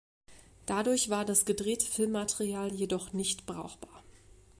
Dadurch war das gedrehte Filmmaterial jedoch nicht brauchbar.